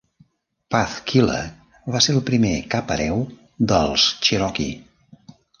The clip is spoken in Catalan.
Pathkiller va ser el primer "cap hereu" dels Cherokee.